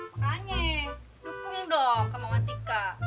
makanya dukung dong kemauan tika